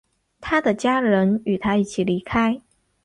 他的家人与他一起离开。